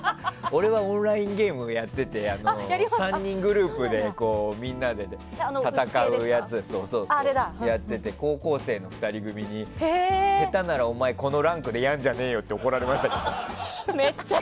俺はオンラインゲームやってて３人グループでみんなで戦うやつやってて高校生の２人組に下手ならお前、このランクでやるんじゃねえよって怒られましたけど。